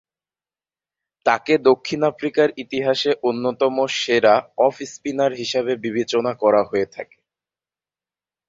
তাকে দক্ষিণ আফ্রিকার ইতিহাসে অন্যতম ‘সেরা অফ স্পিনার’ হিসেবে বিবেচনা করা হয়ে থাকে।